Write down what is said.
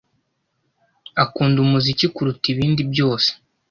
Akunda umuziki kuruta ibindi byose.